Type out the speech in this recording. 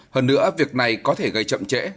hơn nữa việc này có thể gây chậm trễ